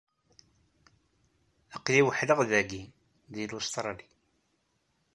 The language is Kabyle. Aqli weḥleɣ dagi, deg Lustṛali.